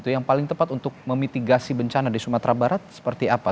yang paling tepat untuk memitigasi bencana di sumatera barat seperti apa